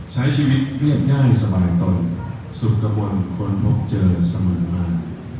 ใช้ชีวิตเรียบง่ายสบายตนสุดกระบวนคนพบเจอเสมอมา